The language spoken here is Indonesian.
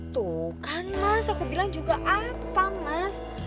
tuh kan mas aku bilang juga apa mas